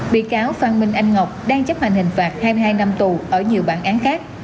bị cáo phan minh anh ngọc đang chấp hành hình phạt hai mươi hai năm tù ở nhiều bản án khác